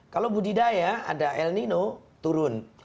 kalau budidaya ada aelnino turun